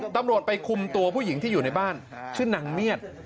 ตำรวจไปคุมตัวผู้หญิงที่อยู่ในบ้านชื่อนางเมียด